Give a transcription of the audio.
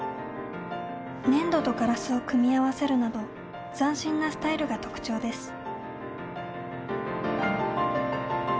粘土とガラスを組み合わせるなど斬新なスタイルが特徴です。